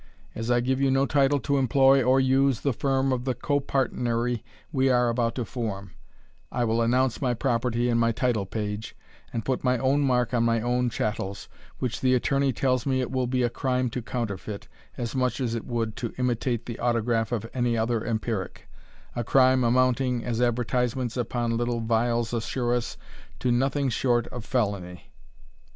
As I give you no title to employ or use the firm of the copartnery we are about to form, I will announce my property in my title page, and put my own mark on my own chattels, which the attorney tells me it will be a crime to counterfeit, as much as it would to imitate the autograph of any other empiric a crime amounting, as advertisements upon little vials assure to us, to nothing short of felony.